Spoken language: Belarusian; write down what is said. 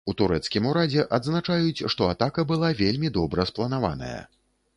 У турэцкім урадзе адзначаюць, што атака была вельмі добра спланаваная.